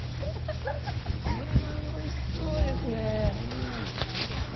これは、おいしそうですねやばい。